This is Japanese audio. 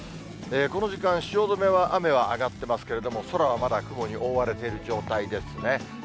この時間、汐留は雨は上がってますけれども、空はまだ雲に覆われている状態ですね。